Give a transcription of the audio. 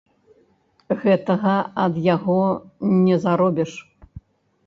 Гэтага ад яго не заробіш.